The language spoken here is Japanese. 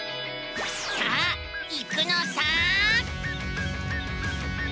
さあ行くのさ！